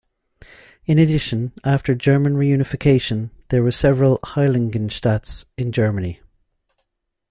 In addition, after German reunification, there were several Heiligenstadts in Germany.